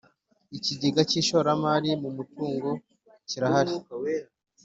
Ikigega cy’ ishoramari mu mutungo kirahari.